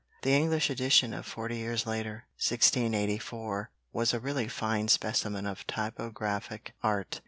The English edition of forty years later, 1684, was a really fine specimen of typographic art.